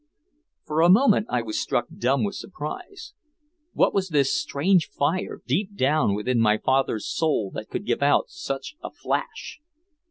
For a moment I was struck dumb with surprise. What was this strange fire deep down within my father's soul that could give out such a flash?